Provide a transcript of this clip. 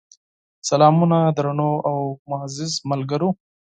سلامونه درنو او معزز ملګرو!